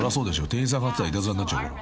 店員さんが貼ってたらいたずらになっちゃうから］